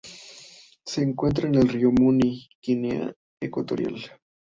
Se encuentra en Río Muni, Guinea Ecuatorial.